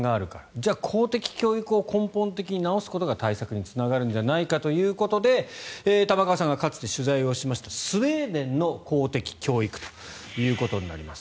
じゃあ公的教育を根本的に直すことが対策につながるんじゃないかということで玉川さんがかつて取材をしましたスウェーデンの公的教育ということになります。